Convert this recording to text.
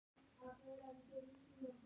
دوی د روغتیايي توکو په برخه کې ښه دي.